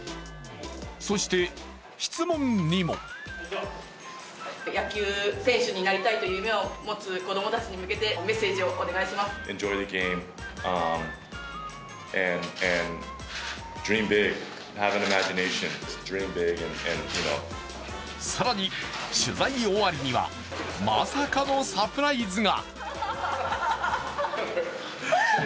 そして、質問にも更に取材終わりにはまさかのサプライズが。